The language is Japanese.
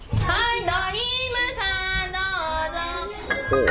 ほう。